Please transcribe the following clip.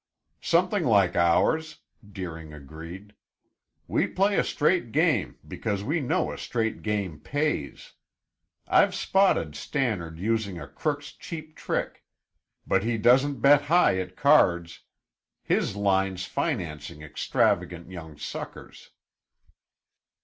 "Something like ours," Deering agreed. "We play a straight game, because we know a straight game pays; I've spotted Stannard using a crook's cheap trick. But he doesn't bet high at cards. His line's financing extravagant young suckers."